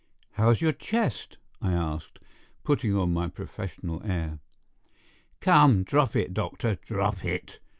"How's your chest?" I asked, putting on my professional air. "Come, drop it, doctor—drop it!"